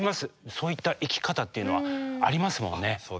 そういった生き方っていうのはありますもんね。